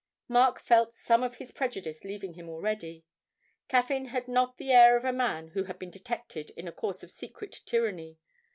Mark felt some of his prejudice leaving him already; Caffyn had not the air of a man who had been detected in a course of secret tyranny.